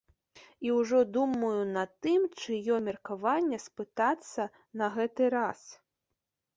І ўжо думаю над тым, чыё меркаванне спытацца на гэты раз.